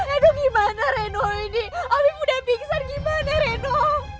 aduh gimana reno ini orang udah pingsan gimana reno